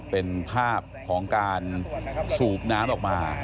เป็นภาพของการสูบน้ำออกมา